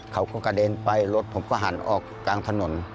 เขาก็กระเด็นไปรถผมก็หันออกกลางถนน